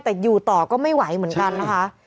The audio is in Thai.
แต่อยู่ต่อก็ไม่ไหวเหมือนกันนะคะ